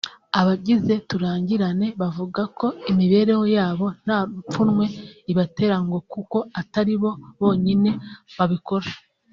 Abagize Turangirane bavuga ko imibereho yabo nta pfunwe ibatera ngo kuko atari bo bonyine babikora